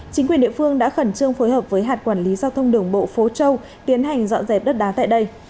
chính quyền địa phương đã khẩn trương phối hợp với hạt quản lý giao thông đường bộ phố châu tiến hành dọn dẹp đất đá tại đây